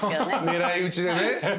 狙い打ちでね。